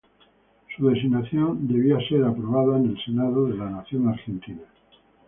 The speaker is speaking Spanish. Su designación debió ser aprobada en el Senado de la Nación Argentina.